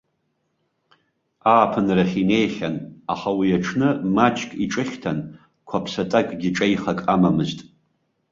Ааԥынрахь инеихьан, аха уи аҽны маҷк иҿыхьҭан, қәаԥсатакгьы ҿеихак амамызт.